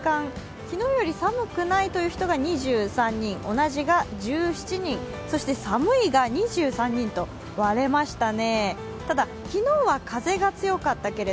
昨日より寒くないという人が２３人、同じが１７人、寒いが２３人と割れましたね。